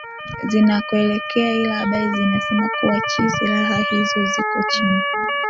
zinakoelekea ila habari zinasema kuwa chi silaha hizo ziko chini